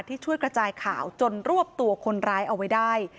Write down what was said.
ช่วยกระจายข่าวจนรวบตัวคนร้ายเอาไว้ได้